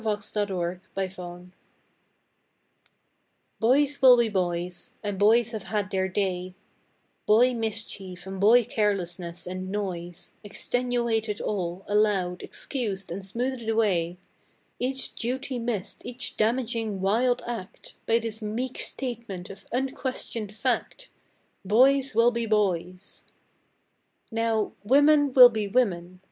BOYS WILL BE BOYS f "Boys will be boys," and boys have had their day; Boy mischief and boy carelessness and noise Extenuated all, allowed, excused and smoothed away, Each duty missed, each damaging wild act, By this meek statement of unquestioned fact Boys will be boys! Now, "women will be women."